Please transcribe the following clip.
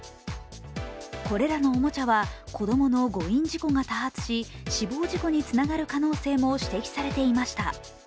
これらのおもちゃは子供の誤飲事故が多発し死亡事故につながる可能性も指摘されていました。